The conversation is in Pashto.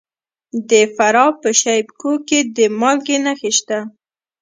د فراه په شیب کوه کې د مالګې نښې شته.